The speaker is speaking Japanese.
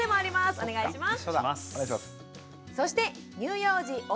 お願いします。